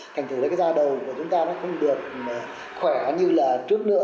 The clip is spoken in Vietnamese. thành thử ra da đầu của chúng ta không được khỏe như trước nữa